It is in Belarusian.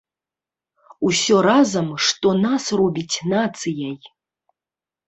Усё разам, што нас робіць нацыяй.